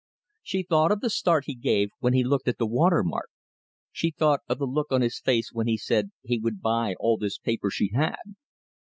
She thought of the start he gave when he looked at the water mark; she thought of the look on his face when he said he would buy all this paper she had.